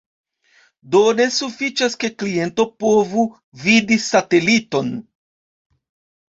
Do ne sufiĉas, ke kliento povu vidi sateliton.